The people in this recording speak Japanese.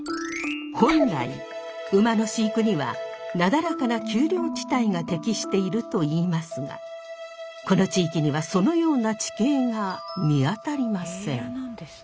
本来馬の飼育にはなだらかな丘陵地帯が適しているといいますがこの地域にはそのような地形が見当たりません。